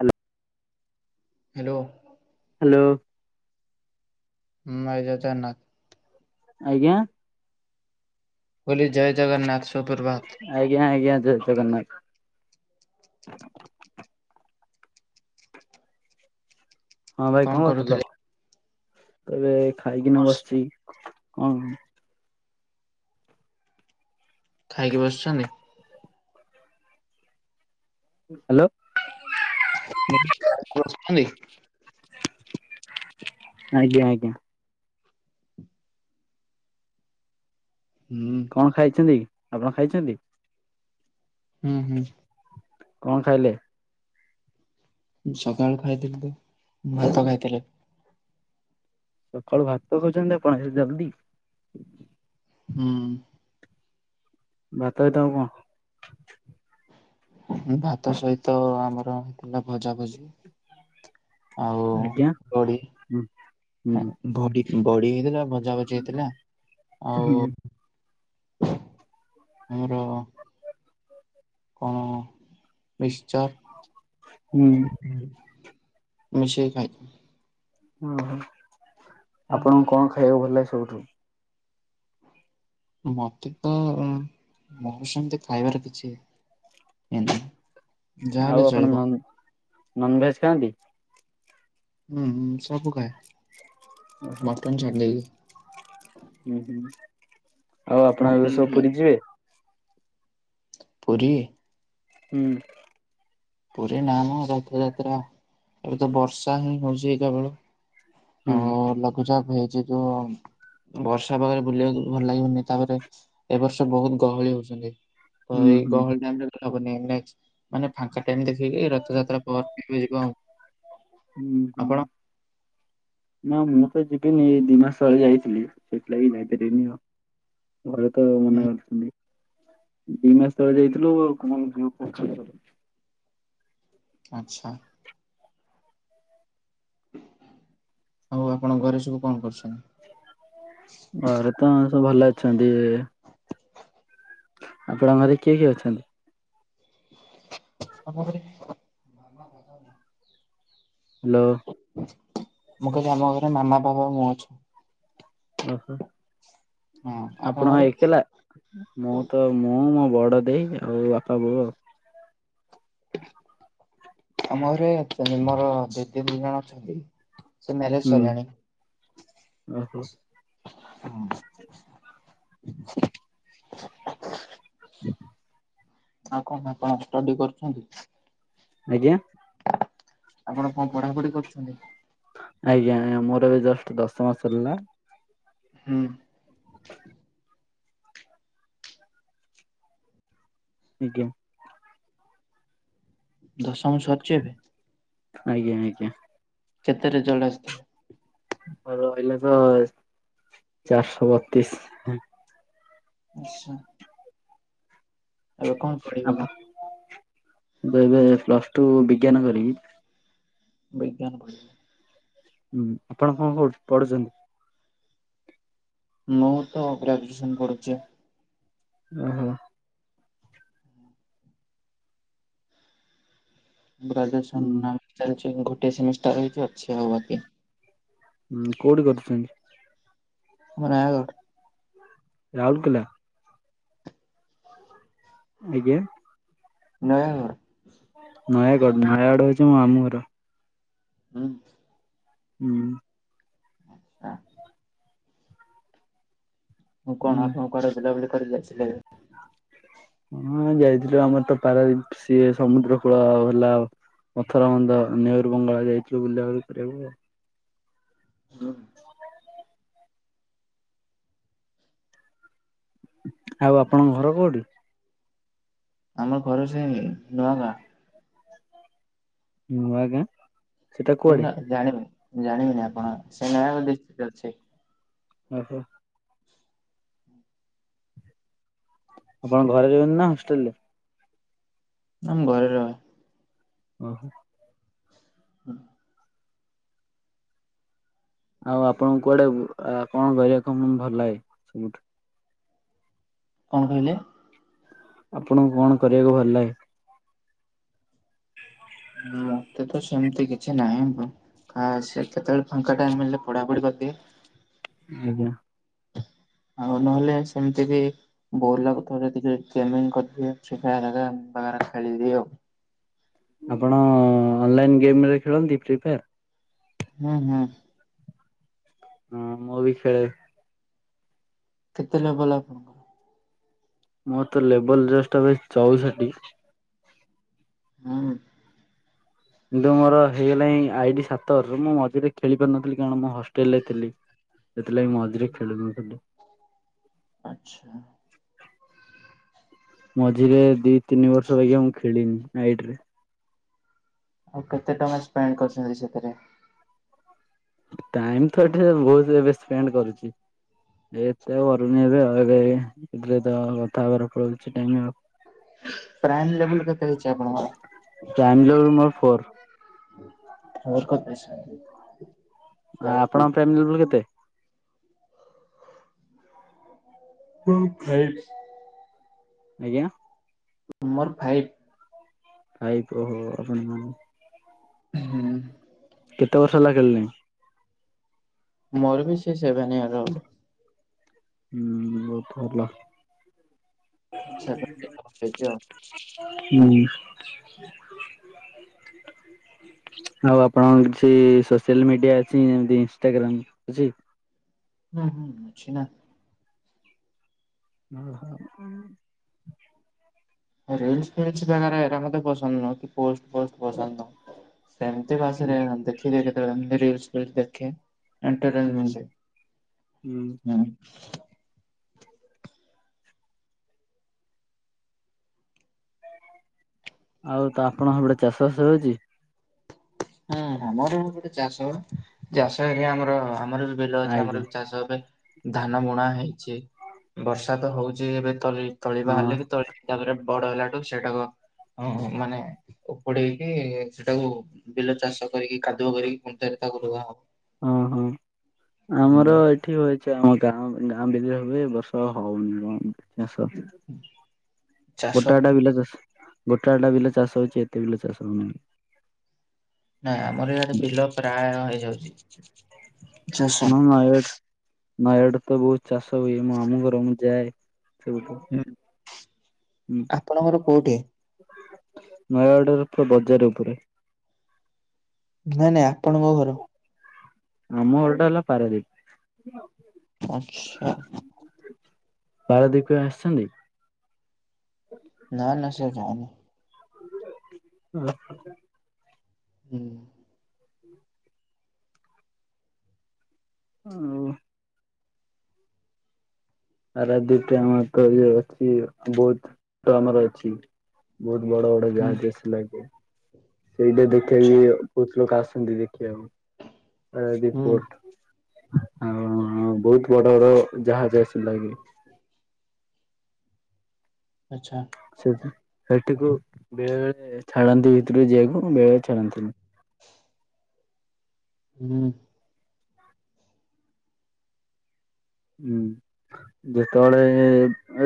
Hello. Hello. Hello. ହଁ ମତାନା। ଆଜ୍ଞା। ଓୋଲି ଜୟ ଜଗନ୍ନାଥ ସୁପ୍ରଭାତ। ଆଜ୍ଞା ଆଜ୍ଞା ଜୟ ଜଗନ୍ନାଥ। ହଁ ଭାଇ କଣ କରୁଥିଲ ତବେ ଖାଇକିନା ବସିଛି କଣ? ଖାଇକି ବସଛନ୍ତି। ହାଲୋ। ମୁସୁଛନ୍ତି। ଆଜ୍ଞା ଆଜ୍ଞା। ହୁଁ। କଣ ଖାଇଛନ୍ତି ଆପଣ ଖାଇଛନ୍ତି? ହୁଁ ହୁଁ। କଣ ଖାଇଲେ? ସକାଳୁ ଖାଇଥିଲି ତ ଭାତ ଖାଇଥିଲେ। ସକାଳୁ ଭାତ ଖାଉଛନ୍ତି ଆପଣ ଏ ଜଲ୍ଦି। ହୁଁ। ଭାତ ହଇତ ଆଉ କଣ? ଭାତ ସହିତ ଆମର ହେଲା ଭଜାଭଜି। ଆଉ ଆଜ୍ଞା ରଡ଼ି। ହୁଁ ହୁଁ ଭଡି ବଡି ହେଇଥିଲା ଭଜା ଭଜି ହେଇଥିଲା ଆଉ ହୁଁ ଆମର କଣ ମିକ୍ସଚର୍। ହୁଁ। ହ ମି ସେ ଖାଇ ଓହୋ ଆପଣଙ୍କୁ କଣ ଖାଇବାକୁ ଭଲ ଲାଗ ସବୁଠୁ? ମତେ ତ ଉଁ ମୋର ସେମିତି ଖାଇବାର କିଛି ଏି [inaudible] ଆଉ ଆପଣ ନ ନନଭେଜ ଖାଆନ୍ତି? ହୁଁ ହଁ ସବୁ ଖାଏ ଓହୋ ମଟନ୍ ଛାଡ଼ି ଦେଇକି। ହୁଁ ହୁଁ ଆଉ ଆପଣ ମଟନ ଏବେ ସବୁ ଖାଏ। ପୁରୀ ଯିବେ? ପୁରୀ। ହୁଁ। ପୁରୀ ନା ମ ରଥଯାତ୍ରା ଏବେ ତ ବର୍ଷା ହିଁ ହଉଛି କେବଳ। ହୁଁ ଓ ଲଘୁ ଚାପ ହେଇଚି କେବଳ। ବର୍ଷା ପାଗରେ ବୁଲିବାକୁ ଭଲ ଲାଗିବନି ତାପରେ ଏ ବର୍ଷ ବହୁତ ଗହଳି ହଉଚନ୍ତି। ତ ହୁଁ ଏଇ ହୁଁ ଗହଳି ଟାଇମରେ ହବନି ନେକ୍ସ ମାନେ ଫାଙ୍କା ଟ୍ରେନ୍ ଦେଖିକି ରଥଯାତ୍ରା ପରେ ଯିବେ ଯିବ ଆଉ ହୁଁ ହୁଁ ଆପଣ ନା ମୁଁ ତ ଯିବିନି ଏ ଦି ମାସହେଇ ଯାଇଥିଲି ସେଇଥିଲାଗି ଯାଇପାରିବିନି ଆଉ। ଘରେ ତ ମନା ହୁଁ କରିଚନ୍ତି। ଦି ମାସ ତଳେ ଯାଇଥିଲୁ [inaudible] ଆଉ ତ ଝଅ ଆଚ୍ଛା। ଆଉ ଆପଣ ଘରେସବୁ କଣ କରୁଛନ୍ତି? ଘରେ ତ ସବୁ ଭଲ ଅଛନ୍ତି। ଆପଣଙ୍କ ଘରେ କିଏ କିଏ ଅଛନ୍ତି? [inaudible] ହ୍ୟାଲୋ। ମୁଁ କହିଲି ଆମ ଘରେ ମାମା ବାପ ଆଉ ମୁଁ ଅଛୁ। ଓହୋ ହଁ ଆପଣଙ୍କ ଆପଣ ଘରେ ଏକଲା। ମୁଁ ତ ମୁଁ ମୋ ବଡ ଦେଇ ଆଉ ବାପା ବୋଉ ଆଉ। ଆମ ଘରେ ଆମୋର ଦିଇ ତିନ ଜଣ ଅଛନ୍ତି। ସେ ମ୍ୟାରେଜ ହୁଁ ସିଇଲାଣି। ଓହୋ। ହଁ [inaudible] ଆଉ କଣ କଣ ଷ୍ଟଡି କରୁଛନ୍ତି? ଆଜ୍ଞା। ଆପଣ କଣ ପଢାପଢି କରୁଛନ୍ତି? ଆଜ୍ଞା ଆ ମୋର ଏବେ ଜଷ୍ଟ ଦଶମ ସରିଲା। ହୁଁ। ଆଜ୍ଞା। ଦଶମ ସରିଛି ଏବେ। ଆଜ୍ଞା ଆଜ୍ଞା। କେତେ ରେଜଲ୍ଟ ଆସିଥିଲା? ଆୋ ରହିଲା ତ ଚାରିଶହ ବତିଶ ଆଚଛା ଏବେ କଣ ପଢିବେ କଣ ମୁଁ ତ ଏବେ ପ୍ଲସ ଟୁ ବିଜ୍ଞାନ କରିବି ବୈଜ୍ଞାନ ହୁଁ ଆପଣ କଣ କର ପଢୁଛନ୍ତି ମୁଁ ତ ଗ୍ରାଜୁଏସନ ପଢୁଛି ଓହୋ ଗ୍ରାଜୁଏସନ୍ ଉଁ ଚାଲିଛି ଗୋଟିଏ ସେମିଷ୍ଟାର ହେଇଛି ଅଛି ଆଉ ବାକି ହୁଁ କୋଉଠି କରୁଛନ୍ତି ଆମ ନୟାଗଡ଼ ରାହୁଲକେଲା ଆଜଞ ନା ହ ନୟାଗଡ଼ ନୟାଗଡ଼ ହଉଛି ମୁଁ ଆମୁ ଘର ହଁ ହୁଁ। ଆଚଛା। ମୁଁ କଣ ହୁଁ ଆପଣ କୁଆଡେ ବୁଲାବୁଲି କରି ଯାଇଥିଲି। ହଁ ଯାଇଥିଲୁ ଆମର ତ ପାରା ସିଏ ସମୁଦ୍ର କୂଳ ହେଲା ଆ ପଥର ମନ୍ଦ ନେହରୁ ବଙ୍ଗଳା ଯାଇଥିଲୁ ବୁଲିବା ବୁଲି କରିବାକୁ ଆଉ। ହୁଁ। ଆଉ ଆପଣଙ୍କ ଘର କେଉଁଠି? ଆମର ଘର ସେନି ନୂଆ ଗାଁ। ନୂଆଁ ଗାଁ। ସେଟା ସେ କୁଆଡେ ଜାଣିବିନି ଜାଣିବିନି ଆପଣ ସେ ନ [unintelligible] ଅଛି। [unintelligible] ଆପଣ ଘରେ ଯିବି ନା ହଷ୍ଟେଲ ରେ? ଆମ ଘରେ ରହେ। ଓହୋ। ହୁଁ। ଆଉ ଆପଣଙ୍କୁ କୁଆଡେ କଣ କରିବା କ ଭଲ ଲାଗେ ସବୁଠୁ? କଣ କହିଲେ? ଆପଣଙ୍କୁ କଣ କରିବାକୁ ଭଲ ଲାଗେ? [unintelligible] ହୁଁ ମତେ ତ ସେମିତି କିଛି ନାହିଁ। ଆ ସେ କେତେବେଳେ ଫାଙ୍କା ଟାଇମ୍ ହେଲେ ପଢ଼ାପଢ଼ି କରିଦିଏ। ଆଜ୍ଞା। ଆଉ ନହେଲେ ସେମିତି କି ବୋର୍ ଲାଗୁଥିଲେ ଟିକେ ଗେମ କରିଦିଏ [unintelligible] ଖେଳିଦିଏ ଆଉ। ଆପଣ ଅନଲାଇନ୍ ଗେମ ରେ ଖେଳନ୍ତି ଫ୍ରି ଫାୟାର୍? ହୁଁ ହୁଁ। ହଁ ମୁଁ ବି ଖେଳେ। କେତେ ଲେଭଲ୍ ଅପ୍ ମୋର ତ ଲେବଲ ଜଷ୍ଟ ଏବେ ଚଉଷଠି। ହଁ। କିନ୍ତୁ ମୋର ହେଇଗଲାଣି ଆଇଡି ସାତ ବର୍ଷ ମୁଁ ମଝିରେ ଖେଳି ପାରୁନଥିଲି କାରଣ ମୁଁ ହଷ୍ଟେଲ ରେ ଥିଲି। ସେତଥିଲାଗି ମଝିରେ ଖେଳୁନୁ ସେଠୁ ଆଚ୍ଛା। ମଝିରେ ଦି ତିନି ବର୍ଷ ଲା ମୁଁ ଖେଳିିନି ନାଇଟ ରେ। ଆଉ କେତେ ଟଙ୍କା ସ୍ପେଣ୍ଡ କରୁଛନ୍ତି ସେଥିରେ? ଟାଇମ ତ ଏଠି ବହୁତ ଏବେ ସ୍ପେଣ୍ଡ କରୁଛି। ଏତେ କରନି ଏବେ [unintelligible] ଟାଇମ ଆଉ। ପ୍ରାଇମ ଲେବଲ କେତେ ହେଇଚି ପ୍ରାଇମ ଆପଣଙ୍କର? ଲେବୁଲ ମୋର ଫୋର [unintelligible] ଆ ଆପଣଙ୍କ ଫ୍ୟାମିଲି ବ କେତେ? ହଁ ଖାଇଚି। ଆଜ୍ଞା। ମୋର ଫାଇଭ୍। ପାଇପ ଉ ଆପଣ ମା ହୁଁ। କେତେ ବର୍ଷ ହେଲା ଖେଳିଲଣି? ମୋର ବି ସେ ସେବେନ୍ ୟିଆର ହେବ। ହୁଁ ଭଲ। [unintelligible] ହୁଁ। ଆଉ ଆପଣଙ୍କ କିଛି ସୋସିଆଲ ମିଡିଆ ଅଛି ଯେମିତି ଇନଷ୍ଟଟାଗ୍ରାମ ଅଛି? ହୁଁ ହୁଁ ଅଛି ନା। ହଁ ହ। ରିଲ୍ସ ଫିଲ ସ ବାଗରା ଏଇତା ମୁଁ ର ପସନ୍ଦ ନୁହଁ କି ପୋ ପୋଷ୍ଟ ପସନ୍ଦ ନୁହଁ। ଏମିତି ମାସରେ ଦେଖ ଦିଏ କେତେବେଳେ ଫିଲ୍ ଦେଖେ। ହୁଁ ଏଣ୍ଟରଟମେଣ୍ଟଁ ହୁଁ ହମ୍। ଆଉ ତ ଆପଣ ହପଟେ ଚାଷ ବାସ ହଉଛି? ହୁଁ ଆମର ଗୋଟେ ଚାଷ ଚାଷ ହେଲେ ଆମର ଆମର ବିଲ ଅଛି ଆଜ୍ଞା ଆମର ଚାଷ ହେବେ। ଧାନ ବୁଣା ହେଇଛି ବର୍ଷା ତ ହଉଛି ଏବେ ତଳି ତଳିିବା ହଁ ହେଲେ କି ତଳି ତାପରେ ବଡ ହେଲାଠୁ ସେଟାକୁ ମାନେ ଉପଡେଇକି ସେଟାକୁ ବିଲ ଚାଷ କରିକି କାଦୁଅ କରିକି ତାକୁ ଲଗା ହବ। ହଁ ହଁ ଆମର ହୁଁ ଏଠି ହଛି ଆମ ଗାଁ ଗାଁ ଭିତରେ ହୁଏ ବର୍ଷ ହଉନି କଣ ଚାଷ। ଚାଷ ଗୋଟାଟା ବିଲ ଚାଷ ଗୋଟା ଟା ବିଲ ଚାଷ ହଉଛି ଏତେ ବିଲ ଚାଷ ହଉନି। ନାଇଁ ଆମର ଇଆଡେ ବିଲ ପ୍ରାୟ ହେଇଯାଉଛି। ଜସ ନା ନା ଏଆଡ ନା ଏଆଡେ ତ ବହୁତ ଚାଷ ହୁଏ ମୁଁ ଆମ ଘର ମୁଁ ଯାଏ। ସେପଟୁ। ହୁଁ ଆପଣଙ୍କର କୋଉଠି? ନୟାଗଡରେ ପୁରା ବଜାର ଉପରେ। ନାଇଁ ନାଇଁ ଆପଣଙ୍କ ଘର। ଆମ ଘରଟେ ହେଲା ପାରାଦୀପ। ଆଚ୍ଛା। ପାରାଦ୍ୱୀପ କେବେ ଆସିଛନ୍ତି? ନା ନା ସେଆଡ଼େ ଜାଇନି। ଓହୋ। ହୁଁ। ହଉ। [unintelligible] ବହୁତ ବଡ ବଡ ହୁଁ ଯାହାଜଆସି ଲାଗେ। ସେଇଟା ଦେଖିବା ଆଛା ବି ବହୁତ ଲୋକ ଆସନ୍ତି ଦେଖିବାକୁ। ପାରାଦୀପ ହୁଁ ପୋର୍ଟ ଆଉ ବହୁତ ବଡ ବଡ ଜାହାଜ ଆସି ଲାଗେ। ଆଛା। ସେଠ ସେଠିକୁ ବେଳେ ବେଳେ ଛାଡନ୍ତି ଭିତରୁ ଯିବାକୁ ବେଳେଳେ ଛାଡନ୍ତିନି। ହୁଁ। ହୁଁ ଯେତେବେଳେ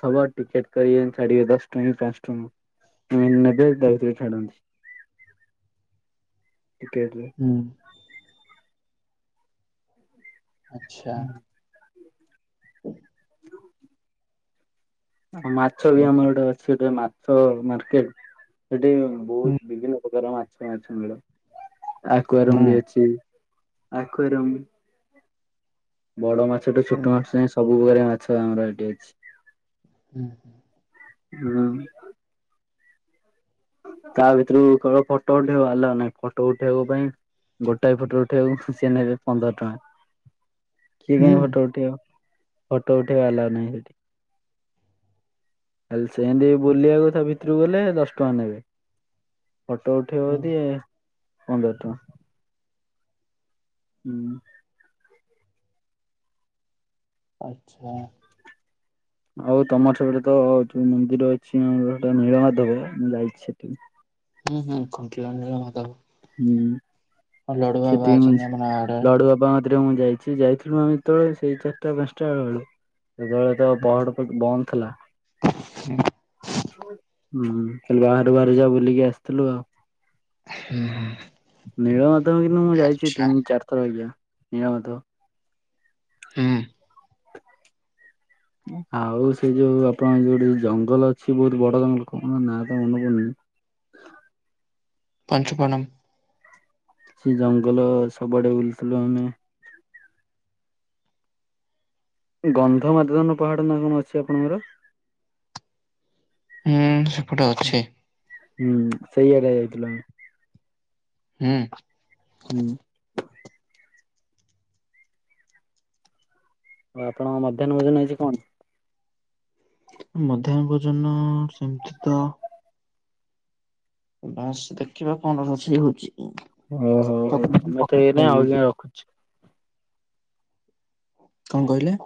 ହବ ଟିକେଟ କର ଛାଡିବେ ଦଶ ଟା ପାଞ୍ଚ ଟା ନେବେ ଛାଡନ୍ତି [inaudible] ଟିକେ ହୁଁ ଆଚଛା ହୁଁ ଆ ମାଛ ବି ଆମର ଗୋଟେ ଅଛି ଗୋଟେ ମାଛ ମାର୍କେଟ ସେଠି ହୁଁ ବହୁତ ବିଭିନ୍ନ ପ୍ରକାର ମାଛ ମାଛ ମଳ ହୁଁ ହୁଁ ଆକ୍ୱାରମ ବି ଅଛି ଆଖରମ୍ [inaudible] ବଡ ମାଛଟୁ ଛୋଟ ମାଛ ନାହି ସବୁ ପ୍ରକାର ମାଛ ଆମର ଏଠି ଅଛି ହୁଁ ହୁଁ ହଁ ତା ଭିତରୁ କେବଳ ଫଟୋ ଉଠେଇବା ଆଲଗ ନହିଁ ଫଟୋ ଉଠେଇବା ପାଇଁ ଗୋଟାଏ ଫଟରେ ଉଠେଇକୁ ସିଏ ନେବେ ପନ୍ଦର ଟଙ୍କା କିଏ କାଇହି ହୁଁ ଫଟୋ ଉଠେଇବା ଫଟୋ ଉଠେଇବା ଆଲା ନାହିଁ ସେଠି ହେ ସେତି ବୁଲିବା କଥା ଭିତରୁକୁ ଗଲେ ଦଶଟା ଟଙ୍କା ନେବେ ଫଟୋ ଉଠେଇବ ହୁଁ ଯଦି ପନ୍ଦର ଟଙ୍କା ହୁଁ ଆଚଛା ଆଉ ତମର ସେବଟ ତ ଯୋଉ ମନ୍ଦିର ଅଛି ଆମରଟ ନୀଳମାଧବ ମୁଁ ଯାଇଛି ସେଠି ହୁଁ ହୁଁ ଖଣ୍ଟଲା ହୁଁ ସେଟି ଅଛନ୍ତି ଆମ ଆଡେ ଲଡୁଆବ ଭରେ ମୁଁ ଯାଇଛି ଯାଇଥିଲୁ ଆମେ ତେବେଳେ ସେଇ ଚାରିଟା ପାଞ୍ଚଟା ବେ ବେଳଳେ ପହଡ ବନ୍ଦ ଥିଲା ହୁଁ କାଲି ବାହାରୁ ବାହହାର ଯାଉ ବୁଲିକି ଆସିଥିଲୁ ଆଉ ହୁଁ ହୁଁ ନୀଳମାଧବ କିନ୍ତୁ ମୁଁ ଯାଇଛି ଆଛା ତିନି ଚାରିଥର ଆଜ୍ା ନୀଳମାଧବ ହଁ ଆଉ ସେ ଯୋଉ ଆପଣଙ୍କ ଯୋଉଠ ଜଙ୍ଗଲ ଅଛି ବହୁତ ବଡ ଜଙ୍ଗଲ କ ନାଁ ତ ମନେ ପଡୁନି ପଞ୍ଚୁପଣ [inaudible] ସେ ଜଙ୍ଗଲ ସବୁଆଡେ ବୁଲଥିଲୁ ଆମେ ଗନ୍ଧ ମାଦଧନ ପାହାଡ଼ ନାଁ କଣ ଅଛି ଆପଣଙ୍କର ହୁଁ ସେପଟେ ଅଛି ହୁଁ ସେଇଆଡଆ ଯାଇଥିଲୁ ହୁଁ ହୁଁ ଆଉ ଆପଣଙ୍କ ମଧ୍ୟାହ୍ନ ଭୋଜନଇଛି କଣ ମଧ୍ୟାହ୍ନ ଭୋଜନ ସେମିତି ତ ବାସ ଦେଖିବା କଣ ରଛିେଇ ହଉଛି ଓ ହୋ ହଉ ଚକଲେଟ୍ ତମେ ତ ପକେଇକି ଏଇ ନାଇଁ ଖାଇବେ ଆଜ୍ଞା ରଖୁଛ କଣ କହିଲେ